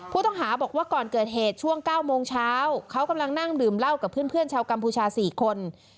ผู้ต้องหาบอกว่าก่อนเกิดเหตุช่วง๙โมงเช้าเขากำลังนั่งดื่มเหล้ากับเพื่อนชาวกัมพูชา๔คน